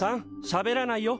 しゃべらないよ。